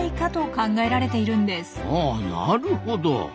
あなるほど。